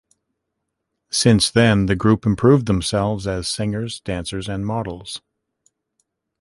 Since then, the group improved themselves as singers, dancers and models.